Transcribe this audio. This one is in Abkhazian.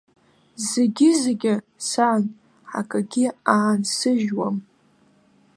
Зегьы-зегьы, сан, акагьы аансыжьуам!